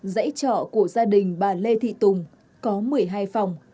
dãy trọ của gia đình bà lê thị tùng có một mươi hai phòng